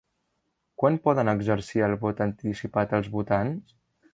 Quan poden exercir el vot anticipat els votants?